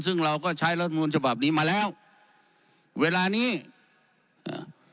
ซึ่งเราก็ใช้รัฐมนุนฉบับนี้มาแล้วเวลานี้อ่า